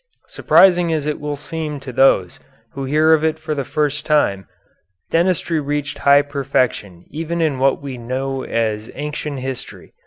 Surprising as it will seem to those who hear of it for the first time, dentistry reached high perfection even in what we know as ancient history.